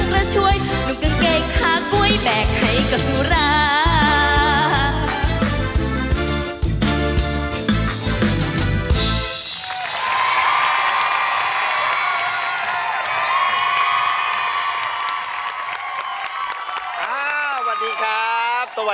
ภูโบทัดดอกชำบา